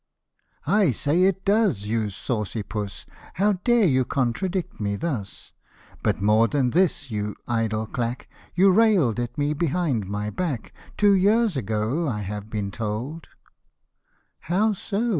'' I say it does, you saucy puss : How dare you contradict me thus ? But more than this, you idle clack, You rail'd at me behind my back Two years ago, I have been told ;"" How so